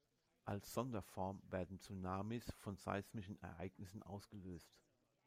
Als Sonderform werden Tsunamis von seismischen Ereignissen ausgelöst.